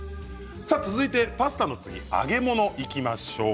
続いて、パスタの次揚げ物にいきましょう。